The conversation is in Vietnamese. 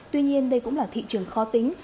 tuy nhiên đây cũng là thị trường khó tính